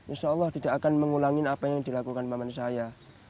insya allah tidak akan mengulangi apa yang dilakukan paman saya